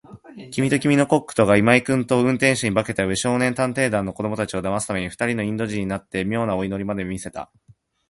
きみときみのコックとが、今井君と運転手に化けたうえ、少年探偵団の子どもたちをだますために、ふたりのインド人になって、みょうなお祈りまでして見せた。